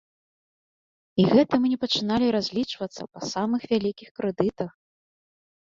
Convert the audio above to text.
І гэта мы не пачыналі разлічвацца па самых вялікіх крэдытах!